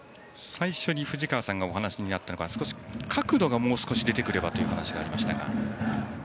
最初に藤川さんがお話になったのが少し角度が出てくればというお話がありましたが。